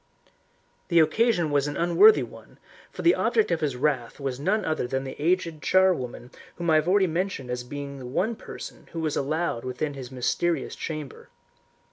The occasion was an unworthy one, for the object of his wrath was none other than the aged charwoman whom I have already mentioned as being the one person who was allowed within his mysterious chamber.